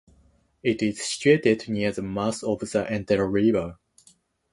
It is situated near the mouth of the Entella River.